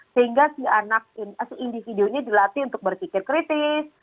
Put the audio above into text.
sehingga si anak si individunya dilatih untuk berpikir kritis